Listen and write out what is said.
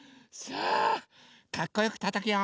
さあかっこよくたたくよ。